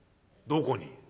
「どこに？」。